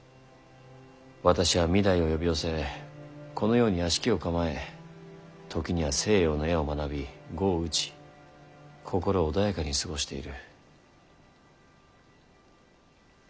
私は御台を呼び寄せこのように邸を構え時には西洋の絵を学び碁を打ち心穏やかに過ごしている。